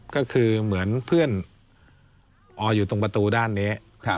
ก็คือเหมือนเพื่อนอออยู่ตรงประตูด้านนี้